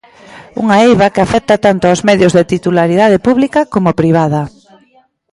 Unha eiva que afecta tanto aos medios de titularidade pública como privada.